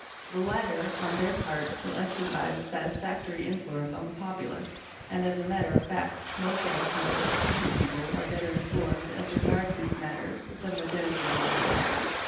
The latter, on their part, will exercise a satisfactory influence on the populace and as a matter of fact most of us know that country people are better informed as regards these matters than the denizens of towns.